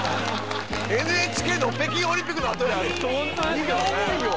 ＮＨＫの北京オリンピックのあと君の夢よ